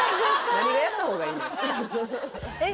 何が「やった方がいい」ねんえっ